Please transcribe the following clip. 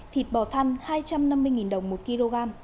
thịt bò thăn hai trăm năm mươi đồng một kg